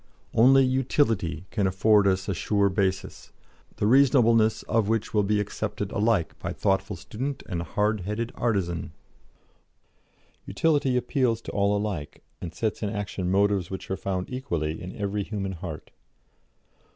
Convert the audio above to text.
Only utility can afford us a sure basis, the reasonableness of which will be accepted alike by thoughtful student and hard headed artisan. Utility appeals to all alike, and sets in action motives which are found equally in every human heart.